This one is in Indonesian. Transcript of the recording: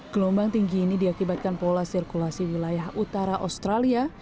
gelombang tinggi ini diakibatkan pola sirkulasi wilayah utara australia